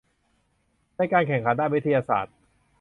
ในการแข่งขันด้านวิทยาศาสตร์